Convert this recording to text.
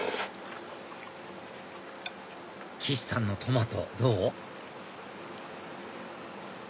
岸さんのトマトどう？